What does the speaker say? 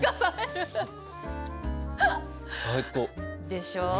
でしょう？